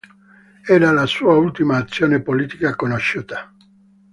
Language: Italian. Era la sua ultima azione politica conosciuta.